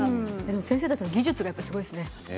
先生たちの技術がすごいですね。